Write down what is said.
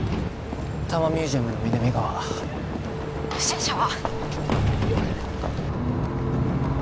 多摩ミュージアムの南側不審者は！？